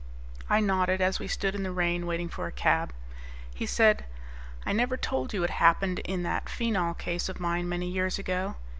I nodded as we stood in the rain waiting for a cab. He said, "I never told you what happened in that Phenol Case of mine many years ago.